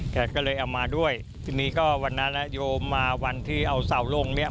แกก็เลยเอามาด้วยทีนี้ก็วันนั้นโยมมาวันที่เอาเสาลงเนี่ย